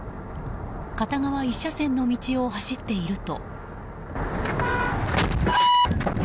片側１車線の道を走っていると。